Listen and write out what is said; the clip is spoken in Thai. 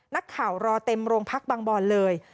นักข่าวรอเต็มโรงพักบางบอนเลย